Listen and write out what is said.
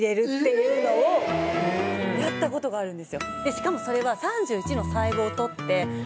しかもそれは。